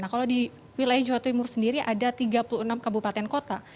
nah kalau di wilayah jawa timur sendiri ada tiga puluh enam kabupaten kota